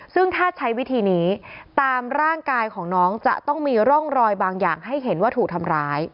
ซึ่งถ้าใช้วิธีนี้ตามร่างกายของน้องจะต้องมีร่องรอยบางอย่างให้เห็นว่าถูกทำร้าย